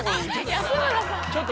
安村さんだ